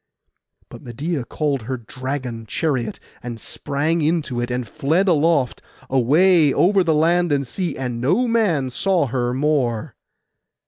But Medeia called her dragon chariot, and sprang into it and fled aloft, away over land and sea, and no man saw her more.